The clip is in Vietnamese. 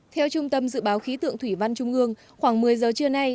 theo trung tâm dự báo khí tượng thủy văn trung ương khoảng một mươi giờ trưa nay